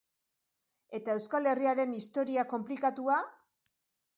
Eta Euskal Herriaren historia konplikatua?